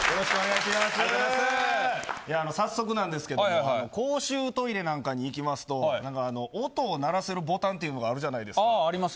早速なんですけども公衆トイレなんかに行きますと音を鳴らせるボタンがあるじゃないですか。